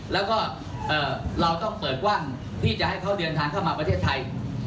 แล้วก็เราต้องเปิดกว้างที่จะให้เขาเดินทางเข้ามาประเทศไทย